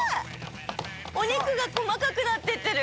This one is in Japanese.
お肉がこまかくなってってる。